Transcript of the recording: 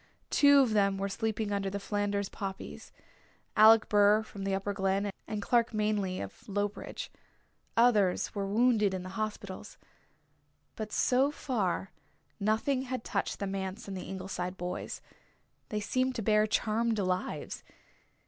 Two of them were sleeping under the Flanders poppies Alec Burr from the Upper Glen, and Clark Manley of Lowbridge. Others were wounded in the hospitals. But so far nothing had touched the manse and the Ingleside boys. They seemed to bear charmed lives.